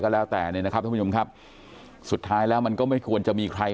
แล้วแต่เนี่ยนะครับท่านผู้ชมครับสุดท้ายแล้วมันก็ไม่ควรจะมีใคร